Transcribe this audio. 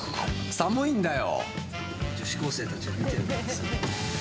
寒いんだよ！